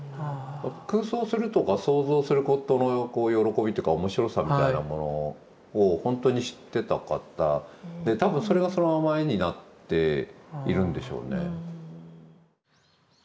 空想するとか想像することの喜びっていうか面白さみたいなものをほんとに知ってた方で多分それがそのまま絵になっているんでしょうね。